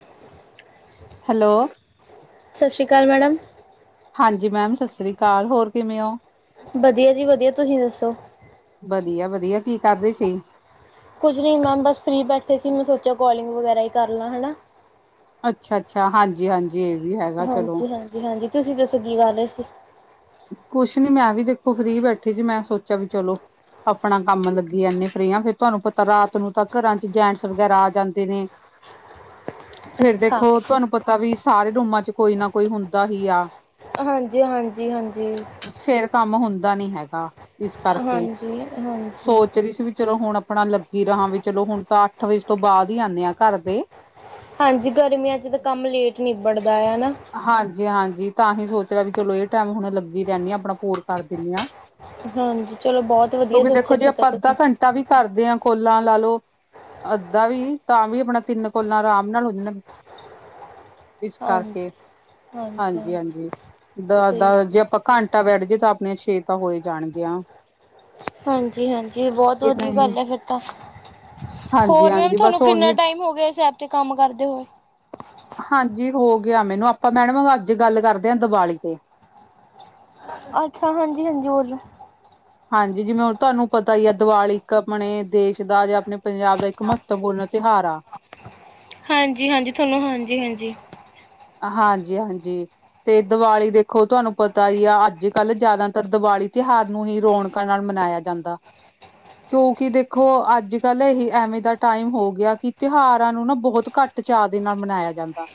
-Hello ਸ਼ਸਰੀ ਕਾਲ madam. ਹਾਂਜੀ ਮੈਮ ਸਸਰੀ ਕਾਲ, ਹੋਰ ਕਿਵੇਂ ਓ। ਵਧੀਆ ਜੀ ਵਧੀਆ, ਤੁਸੀਂ ਦੱਸੋ। ਵਧੀਆ ਵਧੀਆ ਕੀ ਕਰਦੇ ਸੀ। ਕੁਝ ਨੀ ਮੈਮ ਬਸ ਫਰੀ ਬੈਠੇ ਸੀ, ਮੈਂ ਸੋਚਿਆ ਕੋਲਿੰਗ ਵਗੈਰਾ ਈ ਕਰ ਲਾਂ ਹਨਾ। ਅੱਛਾ ਅੱਛਾ ਹਾਂਜੀ ਹਾਂਜੀ ਏ ਵੀ ਹੈਗਾ ਚਲੋ। ਹਾਂਜੀ ਹਾਂਜੀ ਹਾਂਜੀ ਤੁਸੀਂ ਦੱਸੋ ਕੀ ਕਰ ਰੇ ਸੀ। ਕੁਛ ਨੀ ਮੈਂ ਵੀ ਦੇਖੋ ਫਰੀ ਬੈਠੀ ਸੀ, ਮੈਂ ਸੋਚਿਆ ਵੀ ਚਲੋ- ਆਪਣਾ ਕੰਮ ਲੱਗੀ ਜਾਂਨੇ ਫਰੀ ਆਂ, ਫੇਰ ਤੁਆਨੂੰ ਪਤਾ ਰਾਤ ਨੂੰ ਤਾਂ ਘਰਾਂ 'ਚ ਜੈਂਟਸ ਵਗੈਰਾ ਆ ਜਾਂਦੇ ਨੇ। ਫੇਰ ਅੱਛਾ ਦੇਖੋ ਤੁਆਨੂੰ ਪਤਾ ਵੀ ਸਾਰੇ ਰੂਮਾਂ 'ਚ ਕੋਈ ਨਾ ਕੋਈ ਹੁੰਦਾ ਹੀ ਆ। ਹਾਂਜੀ- ਹਾਂਜੀ -ਹਾਂਜੀ। ਫੇਰ ਕੰਮ ਹੁੰਦਾ ਨੀ ਹੈਗਾ। ਇਸ ਕਰਕੇ ਹਾਂਜੀ ਹਾਂਜੀ ਸੋਚ ਰੀ ਸੀ ਵੀ ਚਲੋ ਹੁਣ ਆਪਣਾ ਲੱਗ- ਗੀ ਰਹਾਂ ਵੀ ਚਲੋ ਹੁਣ ਤਾਂ ਅੱਠ ਵਜੇ ਤੋਂ ਬਾਦ ਈ ਆਂਨੇ ਆਂ ਘਰ ਦੇ। ਹਾਂਜੀ, ਗਰਮੀਆਂ 'ਚ ਤਾਂ ਕੰਮ ਲੇਟ ਨਿਬੜਦਾ ਆ ਹਨਾ। ਜੀ ਹਾਂਜੀ ਤਾਂਹੀ ਸੋਚ ਰਿਆ ਵੀ ਚਲੋ ਏ ਟੈਮ ਹੁਣ ਲੱਗੀ ਰੈਣੀ ਆਂ, ਆਪਣਾ ਪੂਰ ਕਰ ਦਿੰਨੀ ਆਂ। ਹਾਂਜੀ ਚਲੋ ਬੋਤ ਵਧੀਆ ਸੋਚਿਆ, ਫਿਰ ਤਾਂ ਤੁਸੀਂ। ਤਾਂ ਵੀ ਕਰਦੇ ਆ ਕੋਲਾਂ ਲਾ ਲੋ। ਅੱਧਾ ਵੀ ਤਾਂ ਵੀ ਆਪਣਾ ਤਿੰਨ ਕੋਲਾਂ ਰਾਮ ਨਾਲ ਹੋ ਜਣ। ਇਸ ਹਾਂਜੀ ਕਰਕੇ ਹਾਂਜੀ -ਹਾਂਜੀ। ਸਹੀ ਦਾਂ ਗੱਲ ਜੇ ਹੈ। ਆਪਾਂ ਘੰਟਾ ਬੈਠ ਜੀਏ ਤਾਂ ਆਪਣੇ ਛੇ ਤਾਂ ਹੋ ਈ ਜਾਣ ਗੀ ਆਂ। ਹਾਂਜੀ -ਹਾਂਜੀ ਬਹੁਤ ਵਧੀਆ ਗੱਲ ਐ, ਫੇਰ ਤਾਂ। ਹੋਰ ਮੈਮ ਹਾਂਜੀ-ਹਾਂਜੀ ਬਸ ਥਾਨੂੰ ਕਿੰਨਾ ਉਹੀ ਟਾਈਮ ਹੋ ਗਿਆ, ਇਸ ਐਪ ਤੇ ਕੰਮ ਕਰਦੇ ਹੋਏ। ਹਾਂਜੀ ਹੋ ਗਿਆ ਮੈਨੂੰ, ਆਪਾਂ ਮੈਡਮ ਅੱਜ ਗੱਲ ਕਰਦੇ ਆਂ ਦੀਵਾਲੀ ਤੇ। ਅੱਛਾ ਹਾਂਜੀ- ਹਾਂਜੀ, ਬੋਲੋ। ਹਾਂਜੀ ਜਿਵੇਂ ਹੁਣ ਤੁਆਨੂੰ ਪਤਾ ਈ ਆ, ਦੀਵਾਲੀ ਇੱਕ ਆਪਣੇ ਦੇਸ਼ ਦਾ ਜਾਂ ਆਪਣੇ ਪੰਜਾਬ ਦਾ ਇੱਕ ਮਹੱਤ- ਤਵਪੂਰਨ ਤਿਉਹਾਰ ਆ। ਹਾਂਜੀ -ਹਾਂਜੀ ਥਾਨੂੰ ਹਾਂਜੀ- ਹਾਂਜੀ। ਹਾਂਜੀ- ਹਾਂਜੀ। ਤੇ ਦੀਵਾਲੀ ਦੇਖੋ ਤੁਆਨੂੰ ਪਤਾ ਈ ਆ, ਅੱਜ ਕੱਲ੍ਹ ਜਾਦਾਤਰ ਦੀਵਾਲੀ ਤਿਉਹਾਰ ਨੂੰ ਈ ਰੌਣਕਾਂ ਨਾਲ ਮਨਾਇਆ - ਜਾਂਦਾ। ਕਿਉਂਕਿ ਦੇਖੋ ਅੱਜ ਕੱਲ ਏਹੀ ਐਵੇਂ ਦਾ ਟਾਈਮ ਹੋ ਗਿਆ, ਕੀ ਤਿਉਹਾਰਾਂ ਨੂੰ ਨਾ ਬਹੁਤ ਘੱਟ- ਚਾਅ ਦੇ ਨਾਲ ਮਨਾਇਆ ਜਾਂਦਾ।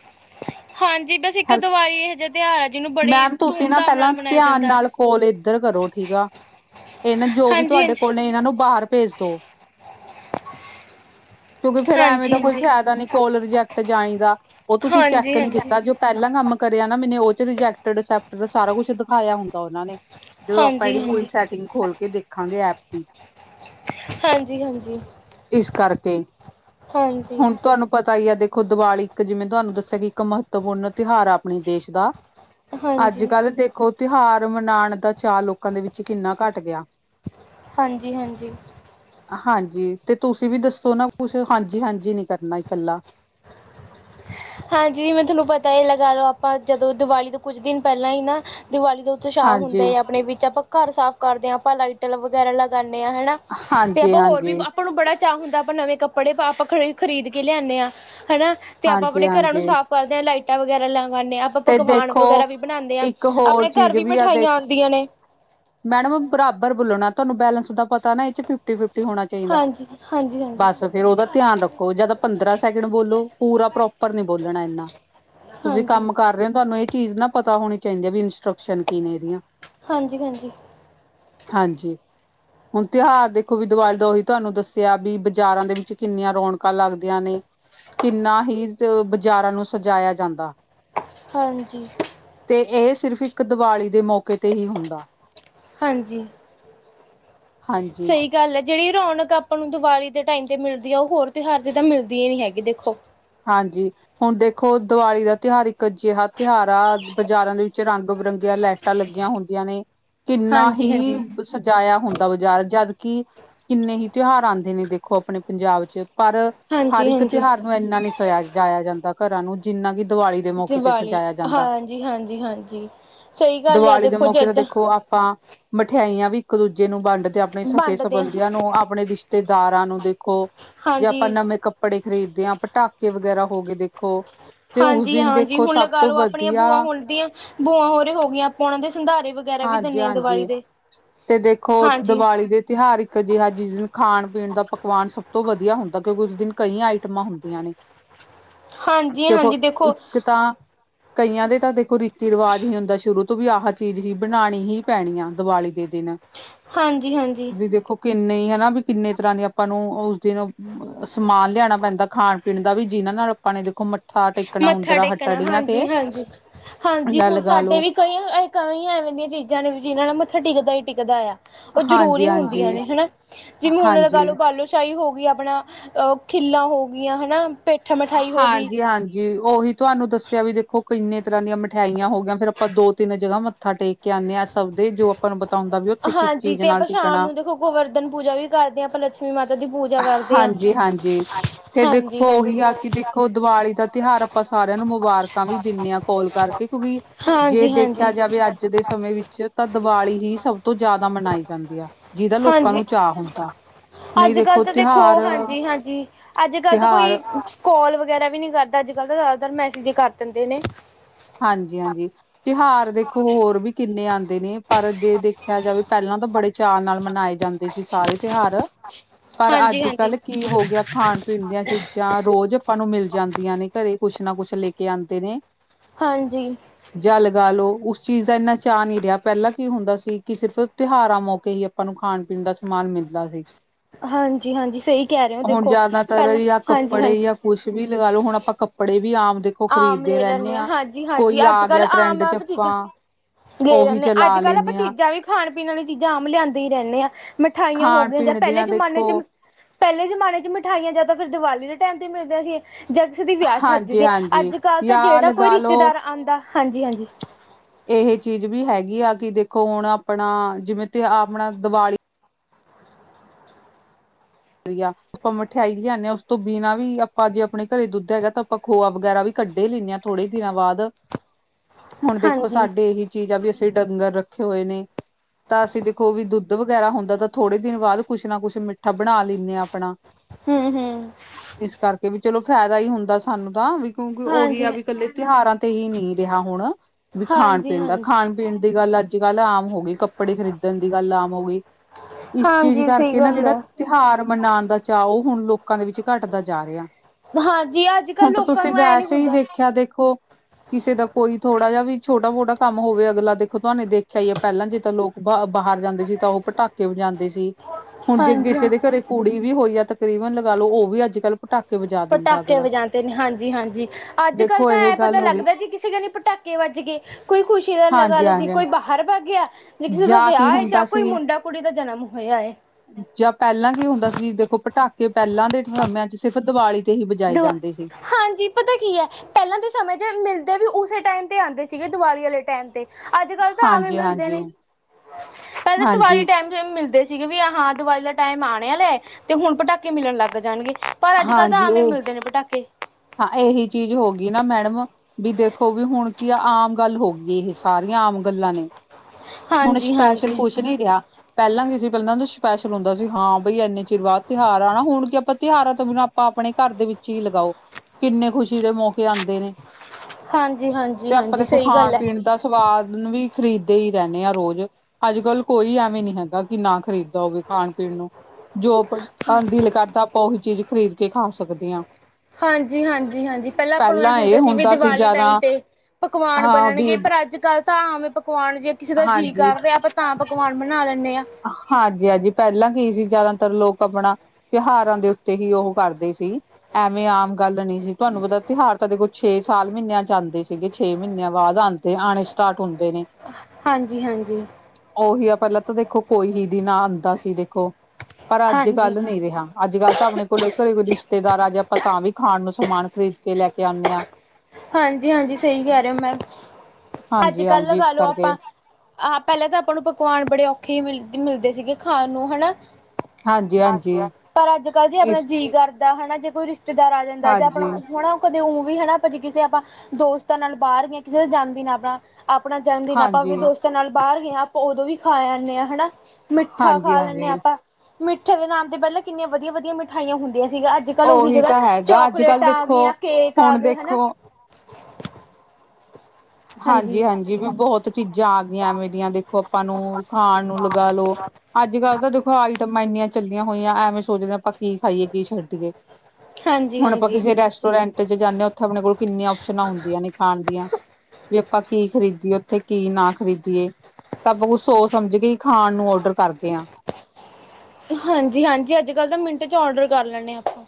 ਹਾਂਜੀ, ਬਸ ਇੱਕ ਹੈ ਦੀਵਾਲੀ ਏਹੋ ਜਿਆ ਤਿਉਹਾਰ ਆ, ਜਿਨੂੰ ਬੜੇ ਮੈਮ ਤੁਸੀਂ ਧੂਮ- ਨਾ ਧਾਮ ਪਹਿਲਾਂ ਨਾਲ ਮਨਾਇਆ ਧਿਆਨ ਜਾਂਦਾ। ਨਾਲ ਕੋਲ ਏਧਰ ਕਰੋ ਠੀਕ ਆ। ਏਨਾਂ ਜੋ ਵੀ ਹਾਂਜੀ ਤੁਆਡੇ ਹਾਂਜੀ ਕੋਲ ਨੇ ਏਨਾਂ ਨੂੰ ਬਾਰ ਭੇਜ ਦੋ। ਕਿਉਂਕਿ ਫੇਰ ਐਵੇਂ ਹਾਂਜੀ ਦਾ ਕੋਈ ਫੈਦਾ ਨੀ ਕੋਲ ਰਿਜੈਕਟ ਜਾਈਂ ਦਾ। ਓ ਤੁਸੀਂ ਚੈੱਕ- ਹਾਂਜੀ ਹਾਂਜੀ ਨੀ ਕੀਤਾ ਜੋ ਪਹਿਲਾਂ ਕੰਮ ਕਰਿਆ ਨਾ ਮੈਨੇ ਉਹ ਚ ਰਿਜੈਕਟਡ ਐਕਸੈਪਟ ਸਾਰਾ ਕੁਝ ਦਿਖਾਇਆ ਹੁੰਦਾ ਉਹਨਾਂ ਨੇ। ਜਦੋਂ ਆਪਾਂ ਹਾਂਜੀ ਇਹਦੀ ਹਾਂਜੀ ਪੂਰੀ ਹਾਂਜੀ ਸੈਟਿੰਗ ਖੋਲ ਕੇ ਦੇਖਾਂਗੇ ਐਪ ਦੀ। ਹਾਂਜੀ -ਹਾਂਜੀ। ਇਸ ਕਰਕੇ। ਹਾਂਜੀ ਹੁਣ ਤਾਨੂੰ ਪਤਾ ਹੀ ਐਦੇ ਦੇਖੋ ਦੀਵਾਲੀ ਇੱਕ ਜਿਵੇਂ ਤੁਹਾਨੂੰ ਦੱਸਿਆ, ਕਿ ਇੱਕ ਮਹੱਤਵਪੂਰਨ ਤਿਉਹਾਰ ਆ ਆਪਣੀ ਦੇਸ਼ ਦਾ। ਹਾਂਜੀ ਅੱਜ-ਕੱਲ੍ਹ ਦੇਖੋ ਤਿਉਹਾਰ ਮਨਾਣ ਦਾ ਚਾਅ, ਲੋਕਾਂ ਦੇ ਵਿੱਚ ਕਿੰਨਾ ਘੱਟ ਗਿਆ। ਹਾਂਜੀ- ਹਾਂਜੀ। ਹਾਂਜੀ ਤੇ ਤੁਸੀਂ ਵੀ ਦੱਸੋ ਨਾ, ਕੁਛ ਹਾਂਜੀ -ਹਾਂਜੀ ਨੀ ਕਰਨਾ ਇਕੱਲਾ। ਹਾਂਜੀ ਮੈਂ ਤੁਹਾਨੂੰ ਪਤਾ ਹੀ ਲਗਾ ਲਓ, ਆਪਾਂ ਜਦੋਂ ਦੀਵਾਲੀ ਤੋਂ ਕੁਝ ਦਿਨ ਪਹਿਲਾਂ ਹੀ ਨਾ ਦਿਵਾਲੀ ਤੋਂ ਉਤਸ਼ਾਹ ਹੁੰਦਾ ਹਾਂਜੀ ਏ, ਆਪਣੇ ਵਿੱਚ ਆਪਾਂ ਘਰ ਸਾਫ਼ ਕਰਦੇ ਆ, ਆਪਾਂ ਲਾਈਟਲ ਵਗੈਰਾ ਲਗਾਣੇ ਆ ਹਨਾ। ਤੇ ਹਾਂਜੀ ਆਪਾਂ ਹੋਰ ਵੀ ਹਾਂਜੀ ਆਪਾਂ ਨੂੰ ਬੜਾ ਚਾਅ ਹੁੰਦਾ ਆਪਾਂ ਨਵੇਂ ਕੱਪੜੇ ਆਪਾਂ ਖਰੀ- ਖ਼ਰੀਦ ਕੇ ਲਿਆਣੇ ਆ ਹਨਾ। ਹਾਂਜੀ -ਹਾਂਜੀ। ਨੂੰ ਸਾਫ਼ ਕਰਦੇ ਆਂ ਲਾਈਟਾਂ ਵਗੈਰਾ ਲਗਾਦੇ ਆ। ਆਪਾਂ ਤੇ ਪਕਵਾਨ ਦੇਖੋ ਵਗੈਰਾ ਵੀ ਬਣਾਦੇ ਆ, ਇੱਕ ਹੋਰ ਆਪਣੇ ਘਰ ਚੀਜ਼ ਵੀ ਆ ਮਿਠਾਈਆਂ ਦੇਖ ਆਂਦੀਆਂ ਨੇ। ਮੈਡਮ ਬਰਾਬਰ ਬੋਲਣਾ, ਤੁਹਾਨੂੰ ਬੈਲੈਂਸ ਦਾ ਪਤਾ ਨਾ ਏਸ ਚ ਫਿਫਟੀ -ਫਿਫਟੀ ਹੋਣਾ। ਚਾਹੀਦਾ। ਹਾਂਜੀ ਹਾਂ। ਬਸ ਫੇਰ ਉਹਦਾ ਧਿਆਨ ਰੱਖੋ, ਜਦਾ ਪੰਦਰਾਂ ਸੈਕਿੰਡ ਬੋਲੋ ਪੂਰਾ ਪ੍ਰੋਪਰ ਨੀ ਬੋਲਣਾ ਇੰਨਾ। ਤੁਸੀਂ ਹਾਂਜੀ ਕੰਮ ਕਰ ਰਹੇ ਹੋ, ਤੁਹਾਨੂੰ ਇਹ ਚੀਜ਼ ਨਾ ਪਤਾ ਹੋਣੀ ਚਾਹੀਦੀ ਹੈ, ਵੀ ਇੰਸਟਰਕਸ਼ਨ ਕੀ ਨੇ ਇਹਦੀਆਂ। ਹਾਂਜੀ -ਹਾਂਜੀ। ਹਾਂਜੀ। ਹੁਣ ਤਿਉਹਾਰ ਦੇਖੋ ਵੀ ਦੀਵਾਲੀ -ਦੁਵਲੀ ਤੁਹਾਨੂੰ ਦੱਸਿਆ, ਵੀ ਬਾਜ਼ਾਰਾਂ ਦੇ ਵਿੱਚ ਕਿੰਨੀਆਂ ਰੌਣਕਾਂ ਲੱਗਦੀਆਂ ਨੇ। ਕਿੰਨਾ ਹੀ ਤੇ ਬਾਜ਼ਾਰਾਂ ਨੂੰ ਸਜਾਇਆ ਜਾਂਦਾ। ਹਾਂਜੀ। ਤੇ ਇਹ ਸਿਰਫ਼ ਇੱਕ ਦੀਵਾਲੀ ਦੇ ਮੌਕੇ ਤੇ ਹੀ ਹੁੰਦਾ। ਹਾਂਜੀ‌। ਹਾਂਜੀ। ਸਹੀ। ਗੱਲ ਹੈ ਜਿਹੜੀ ਰੌਣਕ ਆਪਾਂ ਨੂੰ ਦੀਵਾਲੀ ਦੇ ਟਾਈਮ ਤੇ ਮਿਲਦੀ ਐ ਉਹ ਹੋਰ ਤਿਉਹਾਰ ਦੀ ਤਾਂ ਮਿਲਦੀ ਹੀ ਨੀ ਹੈਗੀ ਦੇਖੋ। ਹਾਂਜੀ ਹੁਣ ਦੇਖੋ ਦੀਵਾਲੀ ਦਾ ਤਿਉਹਾਰ ਇੱਕ ਇਹੋ ਜਿਹਾ ਤਿਉਹਾਰ ਆ ਬਾਜ਼ਾਰਾਂ ਦੇ ਵਿੱਚ ਰੰਗ ਬਿਰੰਗੀਆਂ ਲਾਈਟ ਲਾਈਟਾਂ ਲੱਗੀਆਂ ਹੁੰਦੀਆਂ ਨੇ, ਕਿੰਨਾ ਹਾਂਜੀ ਹੀ ਹਾਂਜੀ। ਸਜਾਇਆ ਹੁੰਦਾ ਬਾਜ਼ਾਰ ਜਦਕੀ ਕਿੰਨੇ ਹੀ ਤਿਉਹਾਰ ਆਉਂਦੇ ਨੇ ਦੇਖੋ ਆਪਣੇ ਪੰਜਾਬ ਚ ਪਰ ਹਰ ਹਾਂਜੀ ਇੱਕ ਹਾਂਜੀ ਤਿਉਹਾਰ ਨੂੰ ਇੰਨਾ ਨੀ ਸਜਾ -ਸਜਾਇਆ ਜਾਂਦਾ। ਘਰਾਂ ਨੂੰ ਜਿੰਨਾ ਕਿ ਦੀਵਾਲੀ ਦੇ ਮੌਕੇ ਤੇ ਦੀਵਾਲੀ ਸਜਾਇਆ ਜਾਂਦਾ। ਹਾਂਜੀ ਹਾਂਜੀ ਹਾਂਜੀ। ਸਹੀ ਗੱਲ ਆ ਦੀਵਾਲੀ ਦੇ ਦੇਖੋ ਮੌਕੇ ਤੇ ਜਦ ਦੇਖੋ ਆਪਾਂ ਮਠਿਆਈਆਂ ਵੀ ਇੱਕ ਦੂਜੇ ਨੂੰ ਵੰਡ ਦੇ ਆ ਆਪਣੇ ਸਕੇ ਵੰਡਦੇ ਆ ਸੰਬੰਧੀਆਂ ਨੂੰ ਆਪਣੇ ਰਿਸ਼ਤੇਦਾਰਾਂ ਨੂੰ ਦੇਖੋ। ਜੇ ਆਪਾਂ ਹਾਂਜੀ। ਨਵੇਂ ਕੱਪੜੇ ਖਰੀਦ ਦੇ ਆ, ਪਟਾਕੇ ਵਗੈਰਾ ਹੋ ਗਏ ਦੇਖੋ। ਤੇ ਉਸ ਹਾਂਜੀ ਦਿਨ ਹਾਂਜੀ ਦੇਖੋ ਹੁਣ ਸਭ ਲਗਾ ਤੋਂ ਲਓ ਆਪਣੀਆਂ ਵਧੀਆ ਬੂਆਆਂ ਹੁਣ ਦੀਆਂ ਬੂਆਂ ਹੋਰ ਹੋ ਗਈਆਂ ਆਪਾਂ ਉਹਨਾਂ ਦੇ ਸੰਧਾਰੇ ਵਗੈਰਾ ਵੀ ਹਾਂਜੀ ਦਿੰਦੇ ਹਾਂ ਦੀਵਾਲੀ ਹਾਂਜੀ ਦੇ ਤੇ ਦੇਖੋ ਹਾਂਜੀ। ਦੀਵਾਲੀ ਦੇ ਤਿਉਹਾਰ ਇੱਕ ਅਜਿਹਾ ਜਿਸ ਦਿਨ ਖਾਣ ਪੀਣ ਦਾ ਪਕਵਾਨ ਸਭ ਤੋਂ ਵਧੀਆ ਹੁੰਦਾ, ਕਿਉਂਕਿ ਉਸ ਦਿਨ ਕਈ ਆਈਟਮਾਂ ਹੁੰਦੀਆਂ ਨੇ। ਹਾਂਜੀ ਤੇ ਹੁਣ ਹਾਂਜੀ ਦੇਖੋ ਇੱਕ ਤਾਂ, ਕਈਆਂ ਦੇ ਤਾਂ ਦੇਖੋ ਰੀਤੀ- ਰਿਵਾਜ਼ ਹੀ ਹੁੰਦਾ ਸ਼ੁਰੂ ਤੋਂ ਵੀ ਆਹ ਚੀਜ਼ ਹੀ ਬਣਾਣੀ ਹੀ ਪੈਣੀ ਆ ਦੀਵਾਲੀ ਦੇ ਦਿਨ, ਹਾਂਜੀ ਹਾਂਜੀ। ਵੀ ਦੇਖੋ। ਕਿੰਨੇ ਹਨਾ ਵੀ ਕਿੰਨੇ ਤਰ੍ਹਾਂ ਦੀ ਆਪਾਂ ਨੂੰ ਉਸ ਦਿਨ ਸਮਾਨ ਲਿਆਣਾ ਪੈਂਦਾ ਖਾਣ -ਪੀਣ ਦਾ ਵੀ ਜਿਹਨਾਂ ਨਾਲ ਆਪਾਂ ਨੇ ਦੇਖੋ ਮਠ ਮੱਥਾ ਟੇਕਣਾ ਮੱਥਾ ਹੂੰਦਰਾਂ ਟੇਕਣਾ ਹਟ੍ਰਿਆ ਤੇ ਹਾਂਜੀ ਹਾਂਜੀ ਹਾਂਜੀ ਯਾਂ ਹੁਣ ਲਗਾ ਸਾਡੇ ਲੋ। ਵੀ ਕਈ ਕਈ ਐਵੇਂ ਦੀਆਂ ਚੀਜ਼ਾਂ ਨੇ ਵੀ ਜਿਨਾਂ ਨਾਲ ਮੱਥਾ ਟਿਕਦਾ ਈ ਟਿਕਦਾ ਯਾ। ਓ ਹਾਂਜੀ ਜ਼ਰੂਰੀ ਹਾਂਜੀ ਹੁੰਦੀਆਂ ਨੇ ਹੈਨਾ ਜਿਵੇਂ ਹੁਣ ਹਾਂਜੀ ਲਗਾਲੋ ਬਾਲੂ ਸ਼ਾਹੀ ਹੋ ਗਈ ਆਪਣਾ ਅ ਖਿੱਲਾਂ ਹੋ ਗਆਂ ਹੈਨਾ, ਪੇਠਾ ਮਿਠਾਈ ਹੋ ਗਈ ਹਾਂਜੀ-ਹਾਂਜੀ, ਓਹੀ ਤੁਆਂਨੂੰ ਦੱਸਿਆ ਵੀ ਦੇਖੋ ਕਿੰਨੇ ਤਰ੍ਹਾਂ ਦੀਆਂ ਮਿਠਾਈਆਂ ਹੋਗਿਆ, ਫੇਰ ਆਪਾਂ ਦੋ ਤਿੰਨ ਜਗ੍ਹਾ ਮੱਥਾ ਟੇਕ ਕੇ ਆਨੇ ਆਂ। ਸਬਦੇ ਜੋ ਆਪਾਂ ਨੂੰ ਪਤਾ ਹੁੰਦਾ ਵੀ ਓਥੇ ਕਿਸ ਚੀਜ਼ ਨਾਲ ਟਿਕਣਾ। ਗੋਵਰਦਨ ਪੂਜਾ ਵੀ ਕਰਦੇ ਆਂ, ਅੱਪਾ ਲਛਮੀ ਮਾਤਾ ਦੀ ਪੂਜਾ ਕਰਦੇ ਹਾਂ ਹਾਂਜੀ-ਹਾਂਜੀ, ਐ ਹਾਂਜੀ ਦੇਖੋ ਹਾਂਜੀ। ਉਹੀ ਆ ਕਿ ਦੇਖੋ ਦੀਵਾਲੀ ਦਾ ਤਿਉਹਾਰ ਆਪਾਂ ਸਾਰਿਆਂ ਨੂੰ ਮੁਬਾਰਕਾਂ ਵੀ ਦਿੰਦਨੇ ਐ ਕੋਲ ਕਰਕੇ, ਕਿਉਂਕਿ ਜੇ ਹਾਂਜੀ ਦੇਖਿਆ ਹਾਂਜੀ। ਜਾਵੇ ਅੱਜ ਅੱਜ ਦੇ ਸਮੇਂ ਵਿੱਚ ਤਾਂ ਦੀਵਾਲੀ ਹੀ ਸਬ ਤੋਂ ਜਾਦਾ ਮਨਾਈ ਜਾਂਦੀਏ। ਜਿਹਦਾ ਲੋਕਾਂ ਨੂੰ ਚਾਅ ਹੁੰਦਾ, ਨਹੀਂ ਦੇਖੋ ਗੱਲ ਤਾਂ ਦੇਖੋ ਤਿਉਹਾਰ ਹਾਂਜੀ-ਹਾਂਜੀ, ਅੱਜ ਕੱਲ ਤਾਂ ਕੋਈ ਤਿਉਹਾਰ ਕੋਲ ਵਗੈਰਾ ਵੀ ਨਈਂ ਕਰਦਾ ਅੱਜ ਕੱਲ੍ਹ ਤਾਂ ਜ਼ਿਆਦਾਤਰ ਮੈਸੇਜ ਹੀ ਕਰ ਦਿੰਦੇ ਨੇ। ਹਾਂਜੀ ਹਾਂਜੀ। ਤਿਉਹਾਰ ਦੇਖੋ ਹੋਰ ਵੀ ਕਿੰਨੇ ਆਉਂਦੇ ਨੇ ਪਰ ਜੇ ਦੇਖਿਆ ਜਾਵੇ ਪੈਂਲਾਂ ਤਾਂ ਬੜੇ ਚਾਅ ਨਾਲ ਮਨਾਏ ਜਾਂਦੇ ਸੀ ਸਾਰੇ ਤਿਉਹਾਰ। [inaudible] ਪਰ ਅੱਜ ਹਾਂਜੀ। ਕੱਲ੍ਹ ਕੀ ਹੋ ਗਿਆ ਖਾਣ ਪੀਣ ਦੀਆਂ ਚੀਜ਼ਾਂ ਰੋਜ ਆਪਾਂ ਨੂੰ ਮਿਲ ਜਾਂਦੀਆਂ ਨੇ ਕਰੇ ਕੁਛ ਨਾ ਕੁਛ ਲੇਕੇ ਆਂਦੇ ਨੇ। ਹਾਂਜੀ। ਜਾਂ ਲਗਾ ਲਓ ਉਸ ਚੀਜ਼ ਦਾ ਇੰਨਾ ਚਾਅ ਨਹੀਂ ਰਿਹਾ ਪਹਿਲਾਂ ਕੀ ਹੁੰਦਾ ਸੀ ਕਿ ਸਿਰਫ ਤਿਉਹਾਰਾਂ ਮੌਕੇ ਹੀ ਆਪਾਂ ਨੂੰ ਖਾਣ ਪੀਣ ਦਾ ਸਮਾਨ ਮਿਲਦਾ ਸੀ। ਹਾਂਜੀ ਹਾਂਜੀ ਸਹੀ ਕਹਿ ਰਹੇਓ ਹੁਣ ਦੇਖੋ, ਜ਼ਿਆਦਾਤਰ ਪਹਿਲਾਂ ਜਾਂ ਹਾਂਜੀ ਕੱਪੜੇ ਹਾਂਜੀ ਜਾਂ ਕੁਛ ਵੀ ਲਗਾ ਲੋ ਹੁਣ, ਆਪਾਂ ਕੱਪੜੇ ਵੀ ਆਮ ਦੇ ਆਮ ਲੇ ਲੈਨੇ ਆਂ, ਹਾਂ ਜੀ ਹਾਂਜੀ ਅੱਜ ਕੱਲ ਗਿਆ ਟਰੈਂਡ ਆਮ ਚ ਆਪ ਚੀਜ਼ਾਂ ਆਪਾਂ ਦੇਏ ਉਹੀ ਜਾਨੇ ਚਲਾ ਅੱਜਕਲ੍ਹ ਆਪਾਂ ਲੈਂਦੇ ਹਾਂ ਚੀਜ਼ਾਂ ਵੀ ਖਾਣ ਪੀਣ ਆਲੀਆਂ ਚੀਜ਼ਾਂ ਆਮ ਲਿਆਂਦੇ ਹੀ ਰਹਿੰਦੇ ਆ ਮਿਠਾਈਆਂ ਹੋ ਖਾਣ ਗਈਆਂ ਜਾਂ ਪੀਣ ਪਹਿਲੇ ਦੀਆਂ ਜਮਾਨੇ ਚ ਦੇਖੋ ਪਹਿਲੇ ਜਮਾਨੇ ਚ ਮਿਠਾਈਆਂ ਜਿਆਦਾ ਦੀਵਾਲੀ ਦੇ ਟੈਮ ਤੇ ਮਿਲਦੀਆਂ ਸੀ ਯਾਂ ਕਿਸੇ ਦੀ ਵਿਯਾ ਸ਼ਾਦੀ ਹਾਂਜੀ ਤੇ। ਹਾਂਜੀ ਅੱਜ ਕਲ੍ਹ ਤਾਂ ਜਾਂ ਜੇੜਾ ਕੋਈ ਲਗਾ ਲਓ ਰਿਸ਼ਤੇਦਾਰ ਆਂਦਾ ਹਾਂਜੀ ਹਾਂਜੀ ਇਹ ਚੀਜ਼ ਵੀ ਹੈਗੀ ਆ, ਕਿ ਦੇਖੋ ਹੁਣ ਆਪਣਾ ਜਿਵੇਂ ਤੇ ਆਪਣਾ ਦੀਵਾਲੀ ਵਦੀਆ ਆਪਾਂ ਮਠਿਆਈ ਲਿਆਨੇ ਆਂ ਉਸ ਤੋਂ ਬਿਨਾ ਵੀ ਆਪਾਂ ਜੇ ਆਪਣੇ ਘਰੇ ਦੁੱਦ ਹੈਗਾ ਤਾਂ ਆਪਾਂ ਖੋਆ ਵਗੈਰਾ ਵੀ ਕੱਢੇ ਲੈਂਦੇ ਹਾਂ ਥੋੜੇ ਦਿਨਾਂ ਬਾਅਦ। ਹੁਣ ਦੇਖੋ ਹਾਂਜੀ ਸਾਡੇ ਇਹੀ ਚੀਜ਼ਾਂ ਵੀ ਅਸੀਂ ਡੰਗਰ ਰੱਖੇ ਹੋਏ ਨੇ। ਤਾਂ ਅਸੀਂ ਦੇਖੋ ਵੀ ਦੁੱਦ ਵਗੈਰਾ ਹੁੰਦਾ ਤਾਂ ਥੋੜੇ ਦਿਨ ਬਾਅਦ ਕੁਛ ਨਾ ਕੁਛ ਮਿੱਠਾ ਬਣਾ ਲੈਂਨੇ ਆਂ ਅਪਣਾ। ਹੁੰ-ਹੁੰ। ਇਸ ਕਰਕੇ ਵੀ ਚਲੋ ਫਾਇਦਾ ਹੀ ਹੁੰਦਾ ਸਾਨੂੰ ਤਾਂ ਵੀ, ਕਿਉਂਕਿ ਓਹੀ ਆ ਹਾਂਜੀ ਵੀ ਇਕੱਲੇ ਤਿਉਹਾਰਾਂ ਤੇ ਹੀ ਨਹੀਂ ਰਿਹਾ ਹੁਣ। ਵੀ ਖਾਣ ਹਾਂਜੀ -ਪੀਣ ਦਾ, ਹਾਂਜੀ ਖਾਣ- ਪੀਣ ਦੀ ਗੱਲ ਅੱਜ ਕੱਲ੍ਹ ਆਮ ਹੋ ਗਈ। ਕੱਪੜੇ ਖ਼ਰੀਦਣ ਦੀ ਗੱਲ ਆਮ ਹੋ ਗਈ। ਇਸ ਚੀਜ਼ ਹਾਂਜੀ ਸਹੀ ਕਰਕੇ ਨਾ ਗੱਲ ਜੇੜਾ ਹੈ। ਤਿਉਹਾਰ ਮਨਾਣ ਦਾ ਚਾਓ ਹੁਣ ਲੋਕਾਂ ਦੇ ਵਿੱਚ ਘੱਟਦਾ ਜਾ ਰਿਹਾ। ਹਾਂਜੀ ਅੱਜ ਕੱਲ੍ਹ ਹੁਣ ਤਾਂ ਲੋਕਾਂ ਤੁਸੀਂ ਨੂੰ ਐ ਨੀ ਵੈਸੇ ਹੀ ਹੁੰਦਾ ਦੇਖਿਆ ਦੇਖੋ ਕਿਸੇ ਦਾ ਕੋਈ ਥੋੜਾ ਜਿਹਾ ਵੀ ਛੋਟਾ-ਮੋਟਾ ਕੰਮ ਹੋਵੇ ਅਗਲਾ ਦੇਖੋ ਤੁਹਾਨੇ ਦੇਖਿਆ ਹੀਏ ਪਹਿਲਾਂ ਜੇ ਤਾਂ ਲੋਕ ਬ ਬਾਹਰ ਜਾਂਦੇ ਸੀ ਤਾਂ ਉਹ ਪਟਾਕੇ ਵਜਾਂਦੇ ਸੀ। ਹੁਣ ਜੇ ਹਾਂਜੀ ਹਾਂ ਦੇ ਘਰੇ ਕੁੜੀ ਵੀ ਹੋਈ ਆ ਤਕਰੀਬਨ ਲਗਾ ਲੋ ਉਹ ਵੀ ਅੱਜ ਕੱਲ੍ਹ ਪਟਾਕੇ ਵਜਾ ਦਿੰਦਾ ਪਟਾਕੇ ਅਗਲਾ ਵਜਾਂਦੇ ਨੇ। ਹਾਂਜੀ-ਹਾਂਜੀ। ਅੱਜ ਕੱਲ ਦੇਖੋ ਤਾਂ ਇਹ ਐਂ ਪਤਾ ਗੱਲ ਹੋ ਗਈ ਲੱਗਦਾ ਜੀ ਕਿਸੇ ਗਨੀ ਪਟਾਕੇ ਵੱਜ ਗਏ। ਕੋਈ ਖੁਸ਼ੀ ਦਾ ਲਗਾ ਹਾਂਜੀ ਲਓ ਜੀ ਹਾਂਜੀ ਕੋਈ ਬਾਹ ਹਰ [unintelligible] ਆ। ਜੇ ਕਿਸੇ ਦਾ ਜਾਂ ਕੀ ਵਿਆਹ ਹੈ ਹੁੰਦਾ ਜਾਂ ਕੋਈ ਸੀ ਮੁੰਡਾ ਕੁੜੀ ਦਾ ਜਨਮ ਹੋਇਆ ਹੈ। ਜਾਂ ਪਹਿਲਾਂ ਕੀ ਹੁੰਦਾ ਸੀ ਦੇਖੋ ਪਟਾਕੇ ਪਹਿਲਾਂ ਦੇ ਸਮਿਆਂ ਚ ਸਿਰਫ ਦੀਵਾਲੀ ਤੇ ਹੀ ਬਜਾਏ ਦੁਆ ਜਾਂਦੇ ਸੀ। ਹਾਂਜੀ। ਪਤਾ ਕੀ ਹੈ। ਪਹਿਲਾਂ ਦੇ ਸਮੇਂ ਮਿਲਦੇ ਵੀ ਉਸੇ ਟਾਈਮ ਤੇ ਆਉਂਦੇ ਸੀਗੇ ਦੀਵਾਲੀ ਵਾਲੇ ਟਾਈਮ ਤੇ। ਅੱਜ ਕੱਲ ਤਾਂ ਆਵੇਂ ਹਾਂਜੀ ਮਿਲਦੇ ਹਾਂਜੀ ਨੇ। ਪਹਿਲਾਂ ਦੀਵਾਲੀ ਅਲੈ ਹਾਂਜੀ ਟਾਈਮ ਚ ਮਿਲਦੇ ਸੀ। ਸੀਗੇ ਵੀ ਆ ਹਾਂ ਦੀਵਾਲੀ ਦਾ ਟਾਈਮ ਆਣ ਵਾਲਾ ਹੈ। ਤੇ ਹੁਣ ਪਟਾਕੇ ਮਿਲਣ ਲੱਗ ਜਾਣਗੇ। ਪਰ ਅੱਜ ਕੱਲ੍ਹ ਤਾਂ ਹਾਂਜੀ। ਆਵੇਂ ਇਹ ਮਿਲਦੇ ਪਟਾਕੇ। ਹਾਂ। ਇਹੀ ਚੀਜ਼ ਹੋ ਗਈ ਨਾ ਮੈਡਮ। ਵੀ ਦੇਖੋ ਵੀ ਹੁਣ ਕੀ ਆ ਆਮ ਗੱਲ ਹੋ ਗਈ। ਇਹ ਸਾਰੀਆਂ ਆਮ ਗੱਲਾਂ ਨੇ। ਹੁਣ ਹਾਂਜੀ ਸਪੈਸ਼ਲ ਹਾਂਜੀ ਕੁੱਝ ਨਹੀਂ ਰਿਹਾ। ਪਹਿਲਾਂ ਵੀ ਸੀ ਪਹਿਲਾਂ ਤਾ ਸਪੈਸ਼ਲ ਹੁੰਦਾ ਸੀ। ਹਾਂ। ਬਈ ਇੰਨੇ ਚਿਰ ਬਾਅਦ ਤਿਉਹਾਰ ਆ ਨਾ ਹੁਣ ਕਿ ਆਪਾਂ ਤਿਉਹਾਰਾਂ ਤੋਂ ਬਿਨਾਂ ਆਪਾਂ ਆਪਣੇ ਘਰ ਦੇ ਵਿੱਚ ਹੀ ਲਗਾਓ। ਕਿੰਨੇ ਖੁਸ਼ੀ ਦੇ ਮੌਕੇ ਆਉਂਦੇ ਨੇ। ਹਾਂਜੀ ਹਾਂਜੀ ਤੇ ਆਪਾਂ ਹਾਂਜੀ ਦੇਖੋ ਸਹੀ ਗੱਲ ਹੈ ਖਾਣ-ਪੀਣ ਦਾ ਸਵਾਦ ਵੀ ਖ਼ਰੀਦੇ ਹੀ ਕਹਿੰਦੇ ਹਾਂ ਰੋਜ਼। ਅੱਜ ਕੱਲ ਕੋਈ ਐਵੇਂ ਨੀ ਹੈਗਾ ਕਿ ਨਾ ਖਰੀਦਦਾ ਹੋਵੇ ਖਾਣ-ਪੀਣ ਨੂੰ ਜੋ ਹਾਂ ਆਪਣਾ ਦਿਲ ਕਰਦਾ ਆਪਾਂ ਉਹੀ ਚੀਜ਼ ਖ਼ਰੀਦ ਕੇ ਖਾ ਸਕਦੇ ਹਾਂ। ਹਾਂਜੀ-ਹਾਂਜੀ-ਹਾਂਜੀ। ਪਹਿਲਾਂ ਆਪਾਂ ਨੂੰ ਇਹ ਹੁੰਦਾ ਸੀ ਵੀ ਦੀਵਾਲੀ ਟਾਈਮ ਤੇ, ਪਕਵਾਨ ਹਾਂ ਬਣਨਗੇ। ਵੀ ਪਰ ਅੱਜ ਕੱਲ੍ਹ ਤਾਂ ਆਮ ਪਕਵਾਨ ਜੇ ਕਿਸੇ ਦਾ ਜੀਅ ਹਾਂਜੀ, ਕਰ ਰਿਹਾ ਆਪਾਂ ਤਾਂ ਪਕਵਾਨ ਬਣਾ ਲੈਂਦੇ ਹਾਂ। ਹਾਂਜ- ਹਾਂਜੀ। ਪਹਿਲਾਂ ਇਹ ਸੀ ਜ਼ਿਆਦਾਤਰ ਲੋਕ ਆਪਣਾ ਤਿਉਹਾਰਾਂ ਦੇ ਉੱਤੇ ਹੀ ਉਹ ਕਰਦੇ ਸੀ। ਐਵੇਂ ਆਮ ਗੱਲ ਨੀ ਸੀ ਤੁਹਾਨੂੰ ਪਤਾ ਤਿਉਹਾਰ ਤਾਂ ਦੇਖੋ ਛੇ ਸਾਲ, ਮਹੀਨਿਆਂ ਚ' ਆਂਦੇ ਸੀਗੇ। ਛੇ ਮਹੀਨਿਆਂ ਬਾਅਦ ਆਂ ਤੇ ਆਂਣੇ ਸਟਾਰਟ ਹੁੰਦੇ ਨੇ। ਹਾਂਜੀ-ਹਾਂਜੀ। ਉਹੀ ਆ ਪਹਿਲਾਂ ਤਾਂ ਦੇਖੋ ਕੋਈ ਹੀ ਦੀ ਨਾ। [inaudible] ਸੀ ਦੇਖੋ, ਪਰ ਅੱਜ ਹਾਂਜੀ ਕੱਲ ਨਹੀਂ ਰਿਹਾ। ਅੱਜ ਕੱਲ ਤਾਂ ਆਪਣੇ ਕੋਲੇ ਘਰੇ ਕੋਈ ਰਿਸ਼ਤੇਦਾਰ ਆ ਜੇ ਆਪਾਂ ਤਾਂ ਵੀ ਖਾਣ ਨੂੰ ਸਮਾਨ ਖਰੀਦ ਕੇ ਲੈ ਕੇ ਆਉਂਦੇ ਹਾਂ। ਹਾਂਜੀ-ਹਾਂਜੀ ਸਹੀ ਕਹਿ ਰਹੇ ਮੈਂਮ। ਅੱਜ ਕੱਲ੍ਹ ਹਾਂਜੀ-ਹਾਂਜੀ ਇਸ ਲਗਲੋ ਕਰਕੇ ਆਪਾਂ ਆਹ ਪਹਿਲਾਂ ਤਾਂ ਆਪਾਂ ਨੂੰ ਪਕਵਾਨ ਬੜੇ ਔਖੇ ਮਿਲ ਮਿਲਦੇ ਸੀਗੇ। ਖਾਣ ਨੂੰ ਹੈਨਾ। ਹਾਂਜੀ-ਹਾਂਜੀ, ਪਰ ਅੱਜ ਕੱਲ੍ਹ ਜੇ ਆਪਣਾ ਇਸ ਜੀਅ ਕਰਦਾ ਹੈਨਾ। ਜੇ ਕੋਈ ਰਿਸ਼ ਰਿਸ਼ਤੇਦਾਰ ਆ ਜਾਂਦਾ ਜੇ ਆਪਣਾ ਹਾਂਜੀ, ਹੈਨਾ ਕਦੇ ਊ ਵੀ ਹੈਨ। ਜੀ ਕਿਸੇ ਆਪਾਂ ਦੋਸਤਾਂ ਨਾਲ ਬਾਹਰ ਗਏ ਕਿਸੇ ਦਾ ਜਨਮ ਦਿਨ ਆਪਣਾ, ਆਪਣਾ ਜਨਮ ਦਿਨ ਆਪਾਂ ਹਾਂਜੀ, ਦੋਸਤ ਨਾਲ ਬਾਹਰ ਗਏ ਹਾਂ। ਆਪਾਂ ਉਦੋਂ ਵੀ ਖਾ ਲੈਂਦੇ ਹਾਂ ਹੈਨਾ। ਮਿੱਠਾ ਖਾ ਲੈਂਦੇ ਹਾਂ ਹਾਂਜੀ-ਹਾਂਜੀ। ਆਪਾਂ। ਮਿੱਠੇ ਦੇ ਨਾਮ ਤੇ ਪਹਿਲਾਂ ਕਿੰਨੀਆਂ ਵਧਿਆ-ਵਧਿਆ ਮਿਠਾਈਆਂ ਹੁੰਦੀਆਂ ਸੀਗਿਆ। ਅੱਜ ਕੱਲ ਉਹੀ ਜਗ੍ਹਾ ਤਾਂ ਹੈਗਾ ਅੱਜ ਕੱਲ ਚੋਕਲੇਟਾਂ ਆ ਦੇਖੋ ਗਈਆਂ, ਕੇਕ ਆ ਹੁਣ ਗਏ ਹੈਨ। ਦੇਖੋ ਹਾਂਜੀ ਹਾਂਜੀ-ਹਾਂਜੀ ਵੀ ਬਹੁਤ ਚੀਜ਼ਾਂ ਆ ਗਈਆਂ ਐਵੇਂ ਦੀਆਂ ਦੇਖੋ ਆਪਾਂ ਨੂੰ ਖਾਣ ਨੂੰ ਲਗਾ ਲੋ। ਅੱਜ ਕੱਲ੍ਹ ਤਾਂ ਦੇਖੋ ਆਈਟਮਾਂ ਇੰਨੀਆਂ ਚੱਲੀਆਂ ਹੋਈਆਂ ਐਵੇਂ ਸੋਚਦੇ ਆ ਆਪਾਂ ਕੀ ਖਾਈਏ ਕੀ ਛੱਡੀਏ ਹਾਂਜੀ ਹੁਣ ਆਪਾਂ ਹਾਂਜੀ ਕਿਸੇ ਰੈਸਟੋਰੈਂਟ ਅੱਜ ਜਾਨੇ ਆ ਉਥੇ ਆਪਣੇ ਕੋਲ ਕਿੰਨੀਆਂ ਆਪਸ਼ਨਾ ਹੁੰਦੀਆਂ ਨੇ ਖਾਣ ਦੀਆਂ ਵਈ ਆਪਾਂ ਕੀ ਖਰੀਦੀਏ ਉੱਥੇ ਕੀ ਨਾ ਖਰੀਦੀਏ। ਤਾਂ ਬਹੁਤ ਸੋਚ ਸਮਝ ਕੇ ਹੀ ਖਾਣ ਨੂੰ ਔਡਰ ਕਰਦੇ ਹਾਂ। ਹਾਂਜੀ-ਹਾਂਜੀ ਅੱਜ ਕੱਲ੍ਹ ਤਾਂ ਮਿੰਟ ਚ ਔਡਰ ਕਰ ਲੈਣੇ ਹਾਂ ਆਪਾਂ।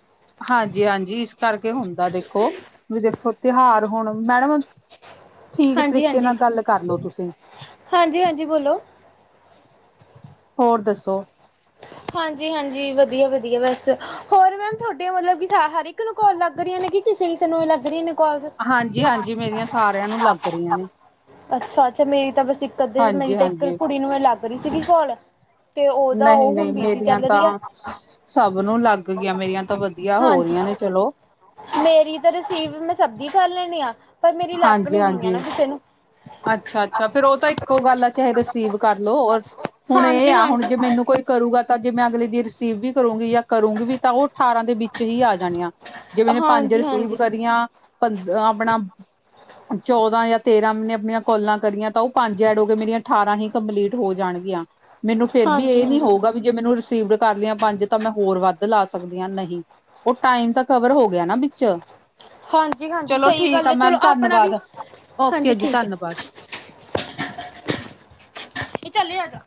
ਹਾਂਜੀ-ਹਾਂਜੀ ਇਸ ਕਰਕੇ ਹੁੰਦਾ ਦੇਖੋ ਵਈ ਦੇਖੋ ਤਿਉਹਾਰ ਹੁਣ ਮੈਡਮ ਠੀਕ ਹਾਂਜੀ ਤਰੀਕੇ ਹਾਂਜੀ ਨਾਲ ਗੱਲ ਕਰਲੋ ਤੁਸੀਂ। ਹਾਂਜੀ ਹਾਂਜੀ ਬੋਲੋ ਹੋਰ ਦੱਸੋ। ਹਾਂਜੀ-ਹਾਂਜੀ, ਵਧੀਆ-ਵਧੀਆ, ਬਸ ਹੋਰ ਮੈਮ ਤੁਹਾਡੇ ਵੱਲੋਂ ਕੀ ਮਤਲਬ ਕਿ ਹਰ ਇਕ ਕਿਨੂੰ ਕਾਲ ਲੱਗ ਰਹੀਆਂ ਨੇ ਜਾਂ ਕਿਸੇ-ਕਿਸੇ ਨੂੰ ਲੱਗ ਰਹੀਆਂ ਨੇ। ਕਾਲਜ ਹਾਂਜੀ ਹਾਂਜੀ ਮੇਰੀਆਂ ਸਾਰਿਆਂ ਨੂੰ ਲੱਗ ਰਹੀਆਂ ਨੇ [unintelligible] ਅੱਛਾ-ਅੱਛਾ, ਮੇਰੀ ਤਾਂ ਬਸ ਇੱਕ ਅੱਧੇ ਨੂੰ ਮੇਰੀ ਹਾਂਜੀ ਇੱਕ ਹਾਂਜੀ ਕੁੜੀ ਨੂੰ ਹੀ ਲੱਗ ਰਹੀ ਸੀ ਕੋਲ। ਤੇ ਉਹਦਾ ਉ ਹੁਣ ਬਿਜੀ ਮੇਰੀ ਚੱਲ ਤਾਂ ਰਹੀ ਆ ਸਭ ਨੂੰ ਲੱਗ ਗਿਆ ਮੇਰੀਆਂ ਤਾਂ ਵਧੀਆ ਹੋ ਰਹੀਆਂ ਨੇ ਚਲੋ। ਹੈਲੋ ਮੇਰੀ ਤਾਂ ਰਸੀਵ ਮੈਂ ਸਭ ਦੀ ਕਰ ਲੈਣੀ ਹਾਂ ਪਰ ਮੇਰੀ ਲੱਗ ਨੀ ਰਹੀਆਂ ਨਾ ਕਿਸੇ ਨੂੰ। ਅੱਛਾ-ਅੱਛਾ, ਫਿਰ ਉਹ ਤਾਂ ਇੱਕੋ ਗੱਲ ਆ ਚਾਹੇ ਰਿਸੀਵ ਕਰ ਲੋ ਔਰ ਹੁਣ ਇਹ ਆ ਹੁਣ ਹਾਂਜੀ-ਹਾਂਜੀ, ਜੇ ਮੈਨੂੰ ਕੋਈ ਕਰੂਗਾ ਤਾਂ ਜੇ ਮੈਂ ਅਗਲੇ ਦੀ ਰਿਸੀਵ ਵੀ ਕਰੂੰਗੀ ਜਾਂ ਕਰੂੰਗੀ ਵੀ ਤਾਂ ਉਹ ਅਠਾਰਾਂ ਦੇ ਵਿੱਚ ਹੀ ਆ ਜਾਣੀਆਂ ਜਿਵੇਂ ਮੈਂ ਪੰਜ ਰਿਸੀਵ ਹਾਂਜੀ-ਹਾਂਜੀ, ਕਰੀਆਂ ਪੰਦ ਆਪਣਾ ਚੌਦਾਂ ਜਾਂ ਤੇਰਾਂ ਮੈ ਜੇ ਆਪਣੀਆਂ ਕੋਲਾਂ ਕਰੀਆਂ ਤਾਂ ਉਹ ਪੰਜ ਐਡ ਹੋ ਕੇ ਮੇਰੀਆਂ ਅਠਾਰਾਂ ਹੀ ਕੰਪਲੀਟ ਹੋ ਜਾਣਗੀਆਂ। ਮੈਨੂੰ ਫਿਰ ਵੀ ਇਹ ਨੀ ਹਾਂਜੀ-ਹਾਂਜੀ। ਹੋਊਗਾ ਵੀ ਜੇ ਮੈਨੂੰ ਰਿਸੀਵਡ ਕਰ ਲਿਆ ਪੰਜ ਤਾਂ ਮੈਂ ਹੋਰ ਵੱਧ ਲਾ ਸਕਦੀ ਹਾਂ, ਨਹੀਂ। ਉ ਟਾਈਮ ਤਾਂ ਕਵਰ ਹੋ ਗਿਆ ਨਾ ਵਿੱਚ। ਹਾਂਜੀ-ਹਾਂਜੀ, ਚਲੋ ਸਹੀ ਠੀਕ ਗੱਲ ਆ ਹੈ ਚਲੋ ਮੈਮ ਆਪ ਧੰਨਵਾਦ, ਓਕੇ ਜੀ ਧੰਨਵਾਦ। ਏ ਚੱਲੇ ਏ ਆਜਾ।